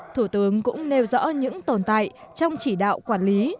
thủ tướng cũng nêu rõ những tồn tại trong chỉ đạo quản lý